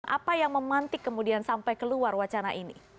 apa yang memantik kemudian sampai keluar wacana ini